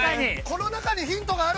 この中にヒントがある！